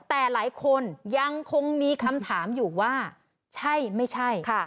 แต่หลายคนยังคงมีคำถามอยู่ว่าใช่ไม่ใช่ค่ะ